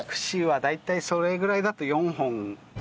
串は大体それぐらいだと４本。